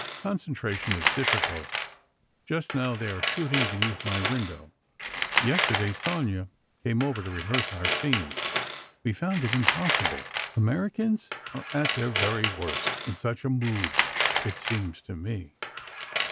Concentration is difficult. Just now, they are shooting beneath my window. Yesterday "Sonia" came over to rehearse our scenes. We found it impossible. Americans are at their very worst in such a mood, it seems to me.